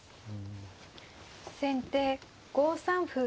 先手５三歩。